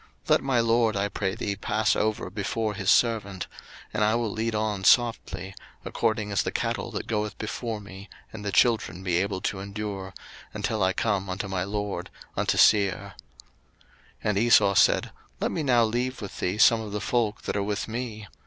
01:033:014 Let my lord, I pray thee, pass over before his servant: and I will lead on softly, according as the cattle that goeth before me and the children be able to endure, until I come unto my lord unto Seir. 01:033:015 And Esau said, Let me now leave with thee some of the folk that are with me.